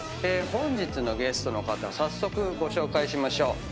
本日のゲストの方早速ご紹介しましょう。